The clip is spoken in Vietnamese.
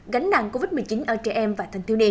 một gánh nặng covid một mươi chín ở trẻ em và thành thiếu niên